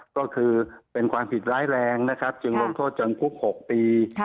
ก็คือเป็นความผิดร้ายแรงนะครับจึงลงโทษจำคุก๖ปี